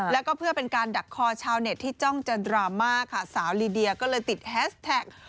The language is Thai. แล้วก็เพื่อเป็นการดักคอชาวเน็ตที่จ้องจันดราม่าค่ะสาวลีเดียก็เลยติดแฮสแท็ก